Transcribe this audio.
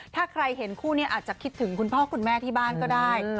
ถ้าใครเห็นคู่นี้อาจจะคิดถึงคุณพ่อคุณแม่ที่บ้านก็ได้